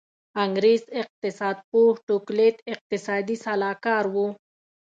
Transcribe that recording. انګرېز اقتصاد پوه ټو کلیک اقتصادي سلاکار و.